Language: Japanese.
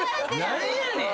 何やねん！